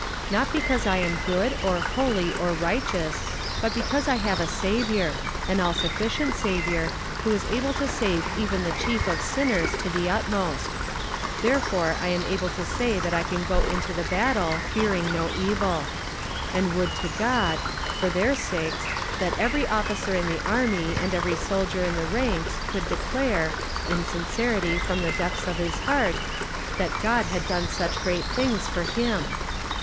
Not because I am good, or holy, or righteous; but because I have a Saviour; an all sufficient Saviour, who is able to save even the chief of sinners unto the utmost. Therefore, I am able to say that I can go into the battle fearing no evil. And would to God, for their sakes, that every officer in the army and every soldier in the ranks could declare, in sincerity from the depths of his heart, that God had done such great things for him!